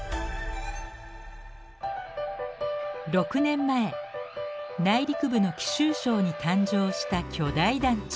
６年前内陸部の貴州省に誕生した巨大団地。